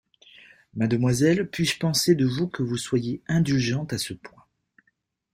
Mademoiselle, puis-je penser de vous que vous soyez indulgente à ce point?